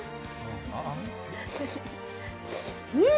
うん！